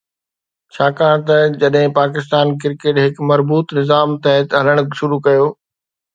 ڇاڪاڻ ته جڏهن پاڪستان ڪرڪيٽ هڪ مربوط نظام تحت هلڻ شروع ڪيو